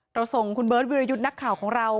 ส่งคุณเบิร์ตวิรยุทธ์นักข่าวของเรา